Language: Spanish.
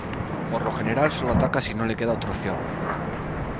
Por lo general sólo ataca si no le queda otra opción.